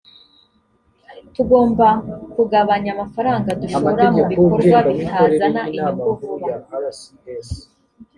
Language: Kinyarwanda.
tugomba kugabanya amafaranga dushora mu bikorwa bitazana inyungu vuba